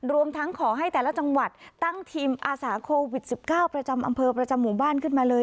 รวมทั้งขอให้แต่ละจังหวัดตั้งทีมอาสาโควิด๑๙ประจำอำเภอประจำหมู่บ้านขึ้นมาเลย